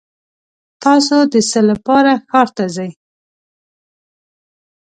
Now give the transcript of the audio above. تاسو د څه لپاره ښار ته ځئ؟